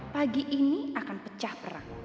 pagi ini akan pecah perang